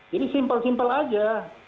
jadi simpel simpel saja